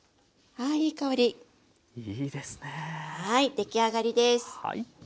出来上がりです。